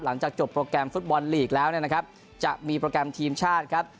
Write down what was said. หลังจากจบโปรแกรมฟุตบอลลีกแล้วเนี่ยนะครับจะมีโปรแกรมทีมชาติครับ